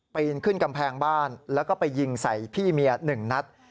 ปีนขึ้นกำแพงบ้านแล้วก็ไปยิงใส่พี่เมีย๑นัด